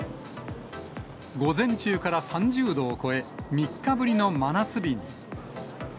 午前中から３０度を超え、３日ぶりの真夏日に。